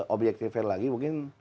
objektif lagi mungkin